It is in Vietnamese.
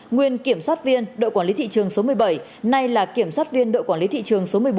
nguyên kiểm soát viên đội quản lý thị trường số một mươi bảy nay là kiểm soát viên đội quản lý thị trường số một mươi bốn